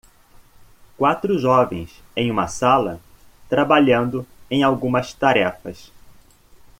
Quatro jovens em uma sala? trabalhando em algumas tarefas.